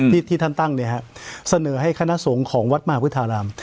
ที่ท่านตั้งเนี่ยฮะเสนอให้คณะสงฆ์ของวัดมหาพุทธาราม